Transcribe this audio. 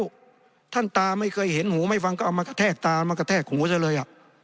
แล้วท่านตาไม่เคยเห็นหูไม่ฟังก็เอามากระแทกตามากระแทกหูซะเลย